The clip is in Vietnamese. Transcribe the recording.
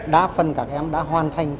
đa phần các em đã hoàn thành